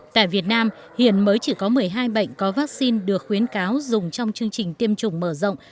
tại việt nam hiện mới chỉ có một mươi hai bệnh có vaccine được khuyến cáo dùng trong chương trình tiêm chủng mở rộng